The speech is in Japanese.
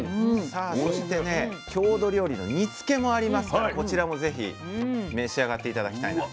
さあそしてね郷土料理の煮つけもありますからこちらもぜひ召し上がって頂きたいなと。